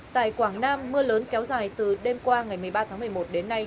tại quảng nam mưa lớn kéo dài từ đêm qua ngày một mươi ba tháng một mươi một đến nay